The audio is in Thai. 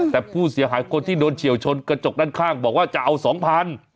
แต่ผู้เสียหายคนที่โดนเฉียวชนกระจกด้านข้างบอกว่าจะเอาสองพัน